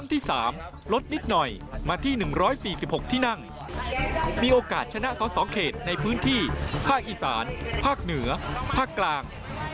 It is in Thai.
ติดตามพร้อมกันครับ